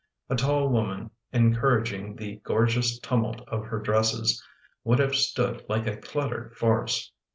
A tall woman, encourag ing the gorgeous tumult of her dresses, would have stood like a cluttered farce.